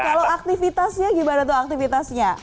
kalau aktivitasnya gimana tuh aktivitasnya